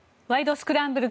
スクランブル」